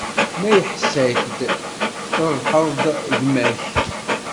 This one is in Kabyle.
Ma iḥess-ak-d, trebḥeḍ-d gma-k.